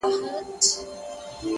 قانون خو شته نه